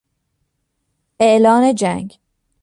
اعلان جنگ